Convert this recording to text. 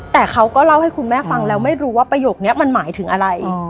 แต่เขาก็เล่าให้คุณแม่ฟังแล้วไม่รู้ว่าประโยคนี้มันหมายถึงอะไร